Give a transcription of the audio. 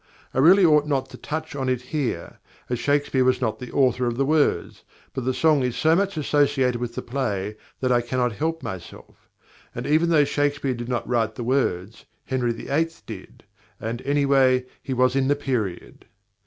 I really ought not to touch on it here, as Shakespeare was not the author of the words, but the song is so much associated with the play that I cannot help myself; and even though Shakespeare did not write the words, Henry VIII. did, and, anyway, he was in the period.